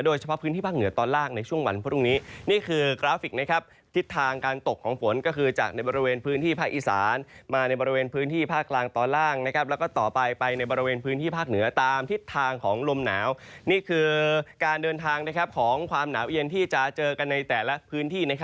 โดยเฉพาะพื้นที่ภาคเหนือตอนล่างในช่วงวันพรุ่งนี้